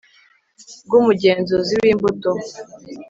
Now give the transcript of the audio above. bw umugenzuzi w imbuto